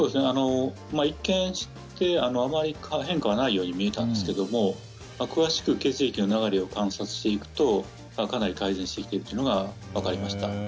一見して、あまり変化はないように見えたんですけれど詳しく血液の流れを観察していくとかなり改善してきているというのは分かりました。